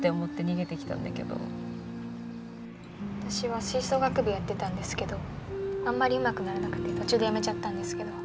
私は吹奏楽部やってたんですけどあんまりうまくならなくて途中でやめちゃったんですけど。